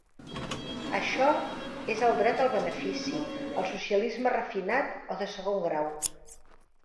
Això és el dret al benefici, el socialisme refinat o de segon grau.